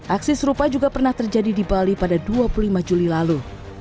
aksi serupa juga pernah terjadi di bali pada dua puluh lima juli lalu